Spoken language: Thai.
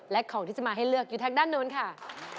และของที่จะมาให้เลือกอยู่ทางด้านนู้นค่ะ